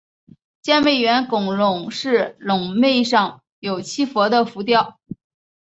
尖楣圆拱龛的龛楣上有七佛的浮雕。